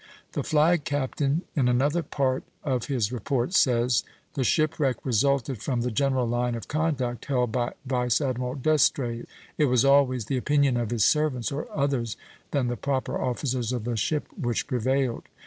The flag captain, in another part of his report, says: "The shipwreck resulted from the general line of conduct held by Vice Admiral d'Estrées. It was always the opinion of his servants, or others than the proper officers of the ship, which prevailed.